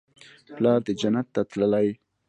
پلار دې جنت ته تللى.